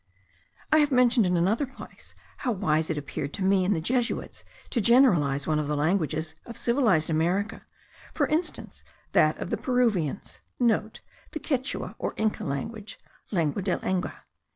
I have mentioned in another place, how wise it appeared to me in the Jesuits to generalize one of the languages of civilized America, for instance that of the Peruvians,* (* The Quichua or Inca language, Lengua del Inga.)